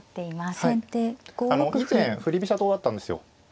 以前振り飛車党だったんですよ。